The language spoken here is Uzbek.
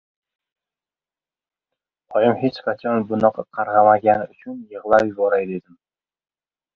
Oyim hech qachon bunaqa qarg‘amagani uchunmi, yig‘lab yuboray dedim.